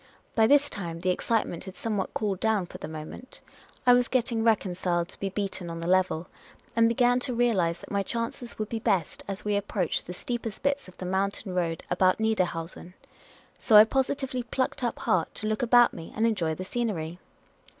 By this time the excite ment had somewhat cooled down for the moment ; I was getting reconciled to be beaten on the level, and began to realise that my chances would be best as we approached the steepest bits of the mountain road about Niederhausen. So I positively plucked up heart to look about me and enjoy the scenery.